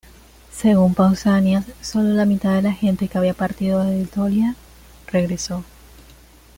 Según Pausanias, sólo la mitad de la gente que había partido de Etolia regresó.